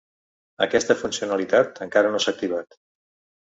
Aquesta funcionalitat encara no s’ha activat.